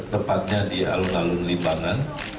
tepatnya di alun alun limbangan